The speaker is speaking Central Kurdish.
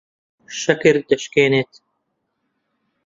شەکر دەشکێنێت.